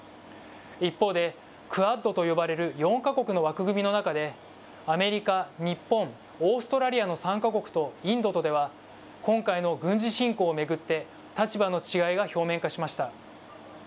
一方で、クアッドと呼ばれる４か国の枠組みの中で、アメリカ、日本、オーストラリアの３か国とインドとでは、今回の軍事侵攻を巡って、立場の違いが表面化しました。